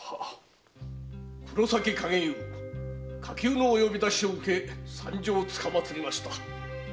火急のお呼び出しを受け参上つかまつりました。